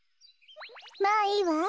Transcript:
まあいいわ。